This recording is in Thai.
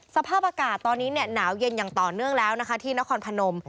สภาพอากาศตอนนี้หนาวเย็นอย่างต่อเนื่องแล้วนะคะที่นครพนม